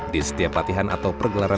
di setiap latihan atau pergelaran